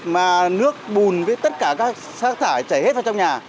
mà nước bùn với tất cả các rác thải chảy hết vào trong nhà